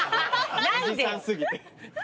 おじさん過ぎて。